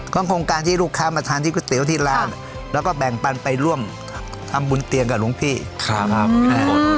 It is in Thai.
โครงการที่ลูกค้ามาทานที่ก๋วยเตี๋ยวที่ร้านแล้วก็แบ่งปันไปร่วมทำบุญเตียงกับหลวงพี่ครับ